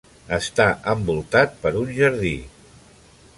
Està envoltat per un jardí.